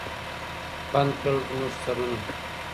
بند کړل زموږ سرونه